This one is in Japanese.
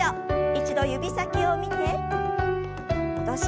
一度指先を見て戻します。